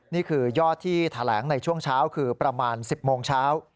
นี่คือยอดที่แถลงในช่วงเช้าคือประมาณ๑๐โมงเช้า